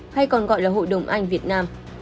hay còn gọi là hội đồng anh việt nam